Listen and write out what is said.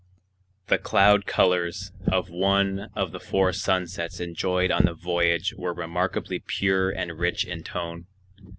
The cloud colors of one of the four sunsets enjoyed on the voyage were remarkably pure and rich in tone.